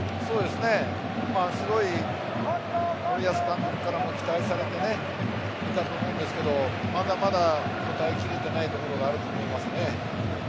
すごい森保監督からも期待されてねいたと思うんですけど、まだまだ応えきれてないところがあると思いますね。